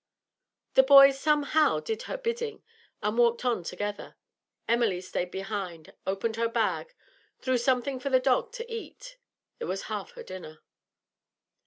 The boys somehow did her bidding, and walked on together. Emily stayed behind, opened her bag, threw something for the dog to eat. It was half her dinner.